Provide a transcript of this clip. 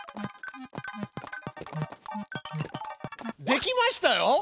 できましたよ！